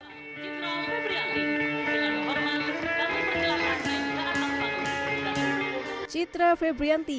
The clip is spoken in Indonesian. citra febrianti dengan hormat dan kecelakaan yang sangat sangat